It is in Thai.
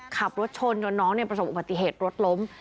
ขับรถชนจนน้องประสบอุบัติเหตุรถล้ม